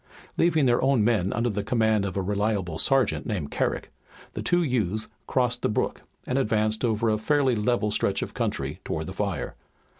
Leaving their own men under the command of a reliable sergeant named Carrick, the two youths crossed the brook and advanced over a fairly level stretch of country toward the fire.